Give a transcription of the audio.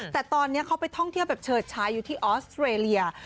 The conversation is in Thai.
แต่ตอนนี้เขาไปท่องเที่ยวแบบเฉิดชายอยู่ที่ออสเตรเลีย